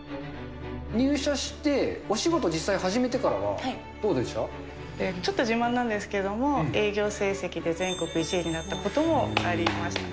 入社して、お仕事、実際始めちょっと自慢なんですけど、営業成績で全国１位になったこともありました。